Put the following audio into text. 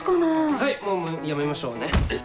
はいもうやめましょうね。うっ！